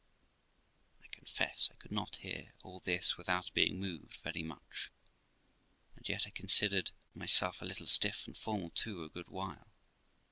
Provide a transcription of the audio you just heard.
I confess I could not hear all this without being moved very much, and yet I continued a little stiff and formal too a good while.